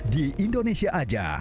di indonesia aja